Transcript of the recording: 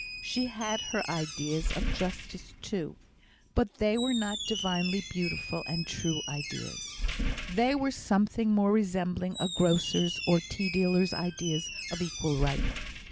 She had her ideas of justice, too; but they were not divinely beautiful and true ideas; they were something more resembling a grocer's, or tea dealer's ideas of equal right.